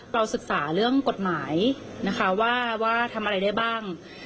ศึกษาเรื่องกฎหมายนะคะว่าทำอะไรได้บ้าง